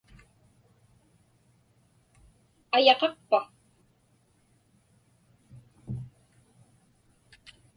Ayaqaqpa?